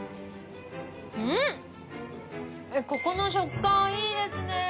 ここの食感いいですね。